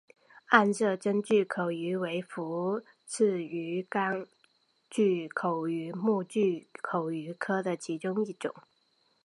暗色真巨口鱼为辐鳍鱼纲巨口鱼目巨口鱼科的其中一种。